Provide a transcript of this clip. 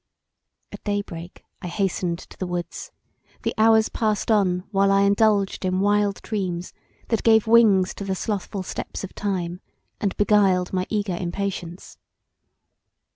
At day break I hastened to the woods; the hours past on while I indulged in wild dreams that gave wings to the slothful steps of time, and beguiled my eager impatience.